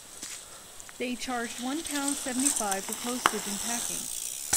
They charged one pound seventy-five for postage and packing